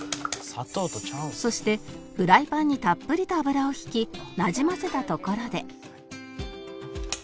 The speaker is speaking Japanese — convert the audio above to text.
そしてフライパンにたっぷりと油をひきなじませたところで